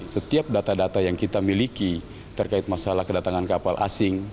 setiap data data yang kita miliki terkait masalah kedatangan kapal asing